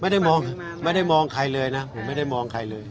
ไม่ได้มองไม่ได้มองใครเลยนะผมไม่ได้มองใครเลย